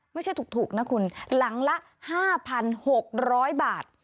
ไม่ใช่ถูกนะคุณหลังละ๕๖๐๐บาท